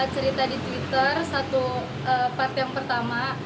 cerita di twitter satu part yang pertama